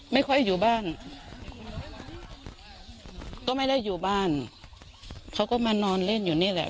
ไม่ค่อยอยู่บ้านก็ไม่ได้อยู่บ้านเขาก็มานอนเล่นอยู่นี่แหละ